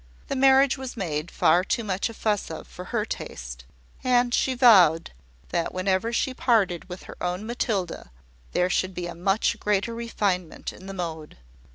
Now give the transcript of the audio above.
The marriage was made far too much a fuss of for her taste; and she vowed that whenever she parted with her own Matilda, there should be a much greater refinement in the mode.